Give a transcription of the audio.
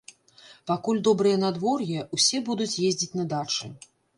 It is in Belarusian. Пакуль добрае надвор'е, усе будуць ездзіць на дачы.